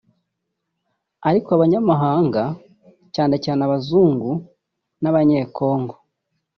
ariko abanyamahanga cyane cyane abazungu n’Abanyekongo